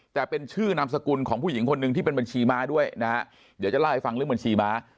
แต่เป็นชื่อนามสกุลของผู้หญิงคนหนึ่งที่เป็นบัญชีม้าด้วยนะฮะเดี๋ยวจะเล่าให้ฟังเรื่องบัญชีม้า